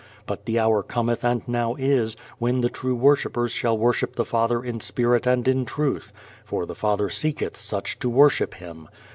But the hour cometh, and now is, when the true worshippers shall worship the Father in spirit and in truth: for the Father seeketh such to worship Him.